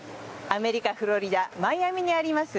アメリカ・フロリダマイアミにあります